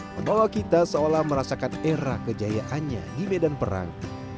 menolak kita seolah merasakan era kejayaannya di medan perang